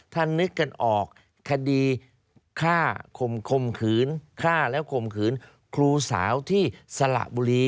ถ้านึกกันออกคดีฆ่าแล้วคมขืนครูสาวที่สละบุรี